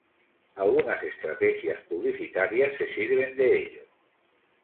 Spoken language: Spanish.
Algunas estrategias publicitarias se sirven de ello.